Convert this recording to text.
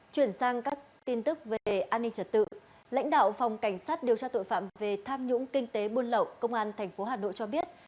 chuyển sang các tin tức về an ninh trật tự lãnh đạo phòng cảnh sát điều tra tội phạm về tham nhũng kinh tế buôn lậu công an tp hà nội cho biết